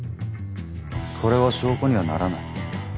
これは証拠にはならない。